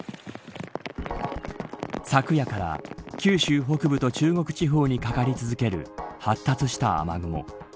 昨夜から九州北部と中国地方にかかり続ける発達した雨雲。